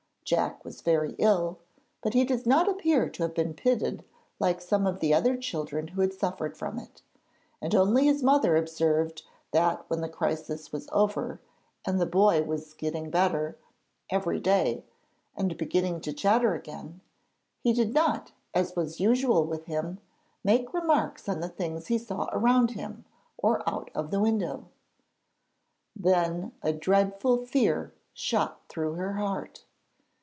Jack was very ill, but he does not appear to have been pitted like some of the other children who suffered from it, and only his mother observed that when the crisis was over and the boy was getting better every day, and beginning to chatter again, he did not, as was usual with him, make remarks on the things he saw around him or out of the window. Then a dreadful fear shot through her heart.